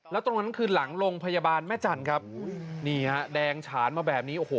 แล้วตรงนั้นคือหลังโรงพยาบาลแม่จันทร์ครับนี่ฮะแดงฉานมาแบบนี้โอ้โห